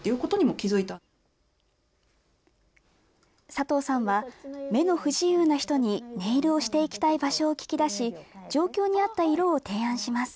佐藤さんは、目の不自由な人にネイルをしていきたい場所を聞き出し、状況に合った色を提案します。